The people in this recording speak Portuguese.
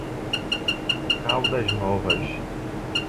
Caldas Novas